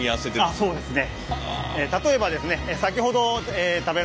あっそうですね。